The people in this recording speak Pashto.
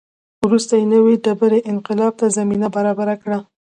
وروسته یې نوې ډبرې انقلاب ته زمینه برابره کړه.